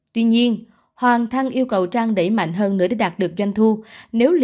tuy nhiên hoàng thăng yêu cầu trang đẩy mạnh hơn nữa để đạt được doanh thu